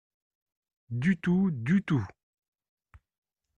Du tout ! du tout !